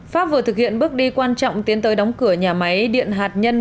pháp vừa thực hiện bước đi quan trọng tiến tới đóng cửa nhà máy điện hạt nhân